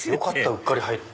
うっかり入って。